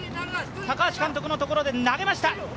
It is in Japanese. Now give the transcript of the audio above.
高橋監督のところで投げました。